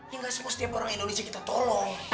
ini gak semua setiap orang indonesia kita tolong